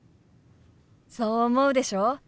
そう思うでしょ？